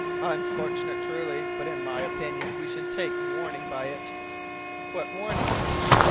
"Unfortunate, truly, but in my opinion we should take warning by it." "What warning?"